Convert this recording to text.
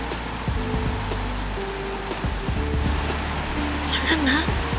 ya kan ma